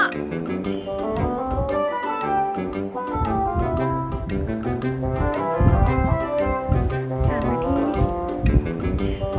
ดูนะเดี๋ยวมันจะเปิดเข้ามาอีก